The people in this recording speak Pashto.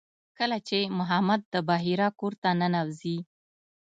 کله چې محمد د بحیرا کور ته ننوځي.